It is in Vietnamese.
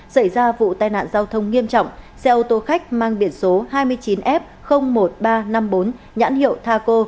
xảy ra vụ tai nạn giao thông nghiêm trọng xe ô tô khách mang biển số hai mươi chín f một nghìn ba trăm năm mươi bốn nhãn hiệu taco